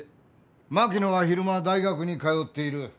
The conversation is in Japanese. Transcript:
槙野は昼間大学に通っている。